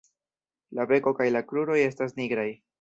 La beko kaj la kruroj estas nigraj.